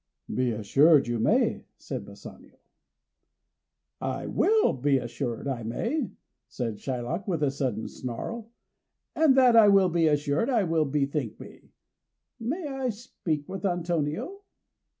"Be assured you may," said Bassanio. "I will be assured I may," said Shylock, with a sudden snarl, "and that I will be assured, I will bethink me. May I speak with Antonio?"